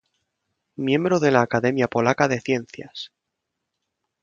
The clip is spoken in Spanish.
Miembro de la Academia Polaca de Ciencias.